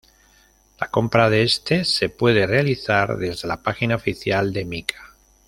La compra de este se puede realizar desde la página oficial de Mika.